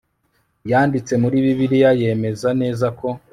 yanditse muri bibiliya yemeza neza ko